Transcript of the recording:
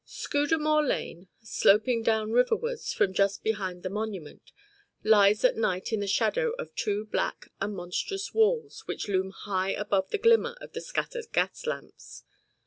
Scudamore Lane, sloping down riverwards from just behind the Monument, lies at night in the shadow of two black and monstrous walls which loom high above the glimmer of the scattered gas lamps.